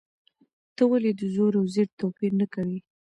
ته ولې د زور او زېر توپیر نه کوې؟